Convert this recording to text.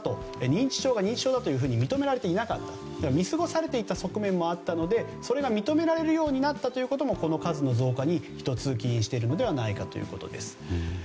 認知症が認知症だと認められていなかった見過ごされていた側面もあったのでそれが認められるようになったということもこの数の増加に起因しているのではということです。